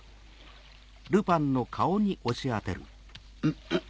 んん。